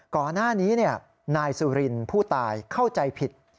ก่อนหน้านี้นายสุรินผู้ตายเข้าใจผิด